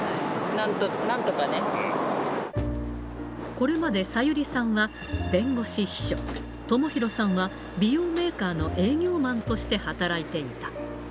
これまで、小百合さんは弁護士秘書、智博さんは美容メーカーの営業マンとして働いていた。